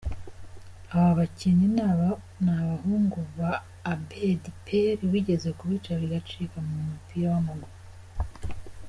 Aba bakinnyi ni abahungu ba Abedi Pele wigeze kubica bigacika mu mupira w’amaguru.